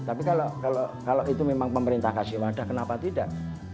tapi kalau itu memang pemerintah kasih wadah kenapa tidak